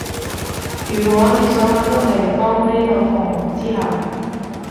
如果你想搵個地方匿到放學之後